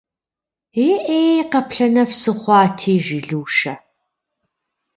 Е-ӏей, къаплъэнэф сыхъуати!- жи Лушэ.